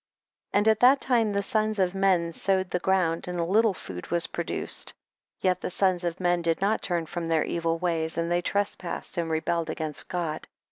12. And at that time the sons of men sowed the ground, and a little food was produced, yet the sons of men did not turn from their evil ways, and they trespassed and re belled against God.